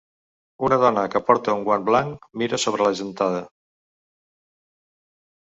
Una dona que porta un guant blanc mira sobre la gentada.